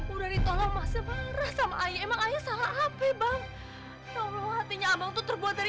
udah ditolong masih marah sama ayah emang ayah salah hp bang kalau hatinya abang tuh terbuat dari